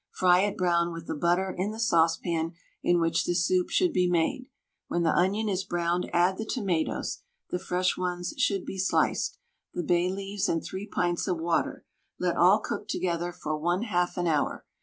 Fry it brown with the butter in the saucepan in which the soup should be made. When the onion is browned add the tomatoes (the fresh ones should be sliced), the bay leaves and 3 pints of water; let all cook together for 1/2 an hour.